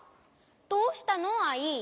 どうしたのアイ？